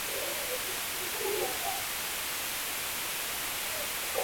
He attends Hamilton Road Presbyterian Church.